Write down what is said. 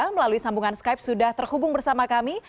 melalui sambungan skype sudah terhubung bersama kami